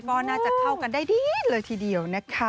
ก็น่าจะเข้ากันได้ดีเลยทีเดียวนะคะ